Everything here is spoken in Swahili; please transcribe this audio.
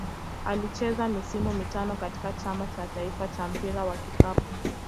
Alicheza misimu mitano katika Chama cha taifa cha mpira wa kikapu.